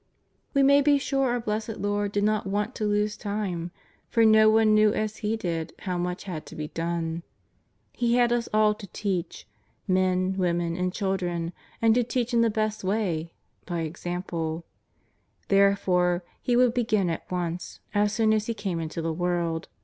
We may be sure our Blessed Lord did not want to lose time, for no one knew as He did how much had to be done. He had us all to teach — men, women, and chil dren — and to teach in the best way, by example. There fore He would begin at once, as soon as He came into the world.